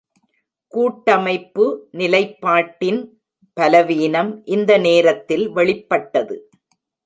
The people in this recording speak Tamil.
கூட்டமைப்பு நிலைப்பாட்டின் பலவீனம் இந்த நேரத்தில் வெளிப்பட்டது.